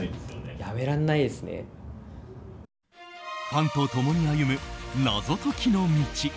ファンと共に歩む謎解きの道。